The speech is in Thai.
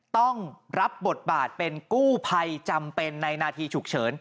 ต้องรับบทบาทเป็นกู้ภัยจำเป็นในนาทีฉุกเฉิน